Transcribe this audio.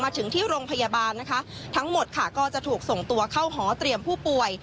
ถึงที่โรงพยาบาลนะคะทั้งหมดค่ะก็จะถูกส่งตัวเข้าหอเตรียมผู้ป่วย